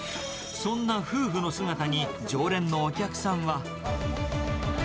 そんな夫婦の姿に、常連のお客さんは。